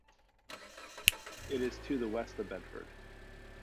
It is to the west of Bedford.